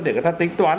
để người ta tính toán